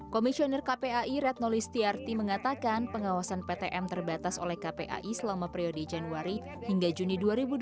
komisioner kpai retno listiarti mengatakan pengawasan ptm terbatas oleh kpai selama periode januari hingga juni dua ribu dua puluh